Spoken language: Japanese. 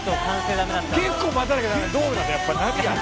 結構待たなきゃ駄目だ。